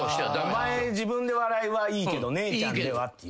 お前自分で笑いはいいけど姉ちゃんではっていうね。